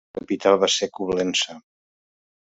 La capital va ser Coblença.